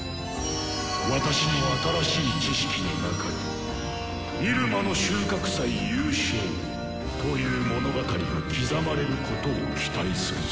私の新しい知識の中に「イルマの収穫祭優勝」という物語が刻まれることを期待するぞ。